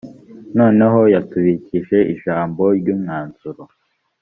noneho yatubikije ijambo ry ‘umwazuro .